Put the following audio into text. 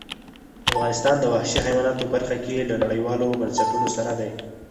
افغانستان د وحشي حیواناتو برخه کې له نړیوالو بنسټونو سره دی.